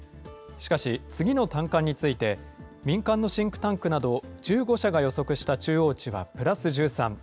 しかし次の短観について、民間のシンクタンクなど１５社が予測した中央値はプラス１３。